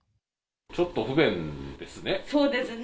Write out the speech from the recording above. ちょっと不便ですね。